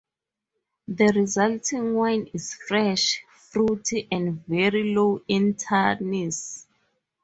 The resulting wine is fresh, fruity, and very low in tannins.